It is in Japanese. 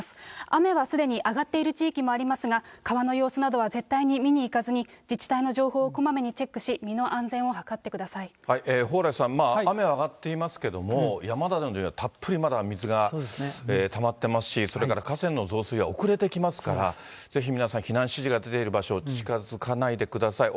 雨はすでに上がっている地域もありますが、川の様子などは絶対に見に行かずに、自治体の情報をこまめにチェックし、蓬莱さん、雨は上がっていますけれども、山などにはたっぷりまだ水がたまってますし、それから河川の増水は遅れて来ますから、ぜひ皆さん、避難指示が出ている場所、近づかないでください。